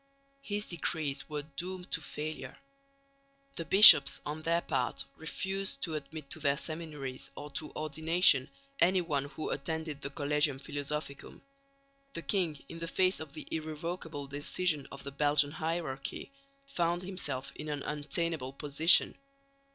His decrees were doomed to failure. The bishops on their part refused to admit to their seminaries or to ordination anyone who attended the Collegium Philosophicum. The king, in the face of the irrevocable decision of the Belgian hierarchy, found himself in an untenable position.